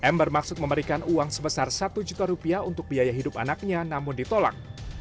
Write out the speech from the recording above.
m bermaksud memberikan uang sebesar satu juta rupiah untuk biaya hidup anaknya namun ditolak